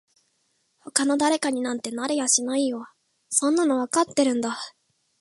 他の誰かになんてなれやしないよそんなのわかってるんだ